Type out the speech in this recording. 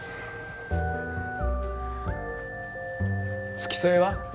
付き添いは？